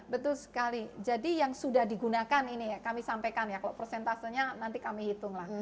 betul sekali jadi yang sudah digunakan ini ya kami sampaikan ya kalau persentasenya nanti kami hitung lah